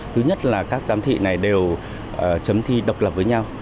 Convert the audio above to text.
thứ nhất là các giám thị này đều chấm thi độc lập với nhau